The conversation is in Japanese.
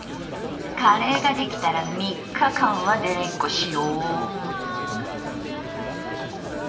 カレーが出来たら３日間はデレンコしよう。